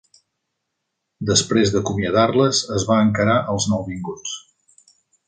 Després d'acomiadar-les, es va encarar als nouvinguts.